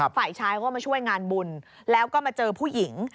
ฝ่ายชายก็มาช่วยงานบุญแล้วก็มาเจอผู้หญิง